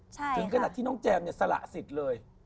ถึงเมื่อกีตที่แจมสละสิทธิ์เลย